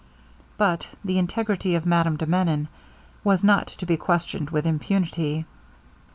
But the integrity of Madame de Menon was not to be questioned with impunity.